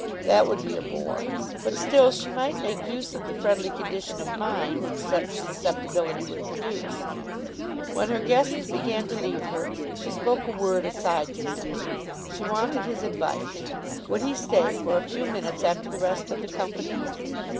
That would be a bore; but still she might make use of the friendly condition of mind which such susceptibility would produce. When her guests began to leave her, she spoke a word aside to him. She wanted his advice. Would he stay for a few minutes after the rest of the company?